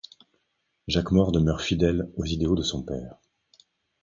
Jacques Maure demeure fidèle aux idéaux de son père.